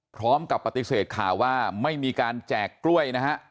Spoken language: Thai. พร้อมกับปฏิเสธข่าวว่าไม่มีการแจกกล้วยนะฮะ